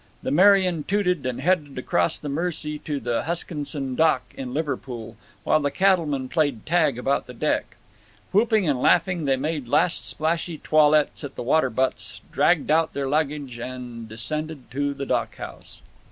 The Merian tooted and headed across the Mersey to the Huskinson Dock, in Liverpool, while the cattlemen played tag about the deck. Whooping and laughing, they made last splashy toilets at the water butts, dragged out their luggage, and descended to the dock house.